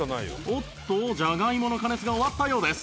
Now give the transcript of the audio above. おっとじゃがいもの加熱が終わったようです